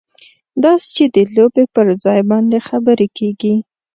داسې چې د لوبې پر ځای باندې خبرې کېږي.